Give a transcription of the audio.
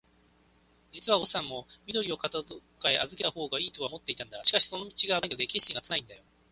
じつはおとうさんも、緑をどっかへあずけたほうがいいとは思っていたんだ。しかし、その道があぶないので、決心がつかないんだよ。